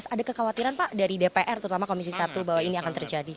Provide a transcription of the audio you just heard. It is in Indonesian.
ada kekhawatiran pak dari dpr terutama komisi satu bahwa ini akan terjadi